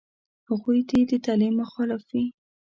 هغوی دې د تعلیم مخالف وي.